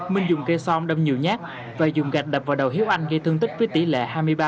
minh dùng cây son đâm nhiều nhát và dùng gạch đập vào đầu hiếu anh gây thương tích với tỷ lệ hai mươi ba